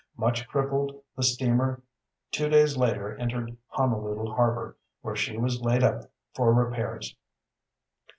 Much crippled the steamer two days later entered Honolulu harbor, where she was laid up for repairs.